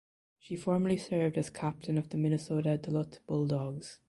She formerly served as captain of the Minnesota Duluth Bulldogs.